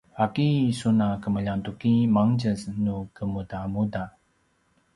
’aki sun a kemljang tuki mangtjez nu kemudamuda?